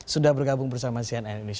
sudah bergabung bersama cnn indonesia